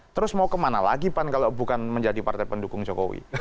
terus mau kemana lagi pan kalau bukan menjadi partai pendukung jokowi